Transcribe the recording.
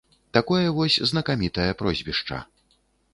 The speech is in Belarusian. Такое вось знакамітае прозвішча.